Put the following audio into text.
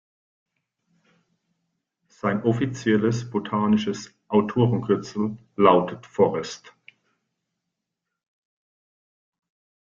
Sein offizielles botanisches Autorenkürzel lautet „Forrest“.